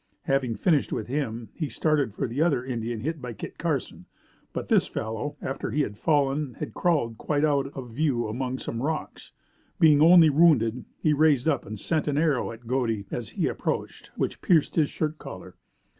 Having finished with him, he started for the other Indian hit by Kit Carson. But this fellow after he had fallen had crawled quite out of view among some rocks. Being only wounded, he raised up and sent an arrow at Godey as he approached which pierced his shirt collar.